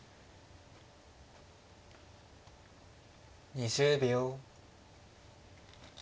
２０秒。